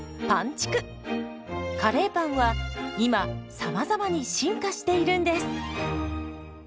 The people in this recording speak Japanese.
カレーパンは今さまざまに進化しているんです。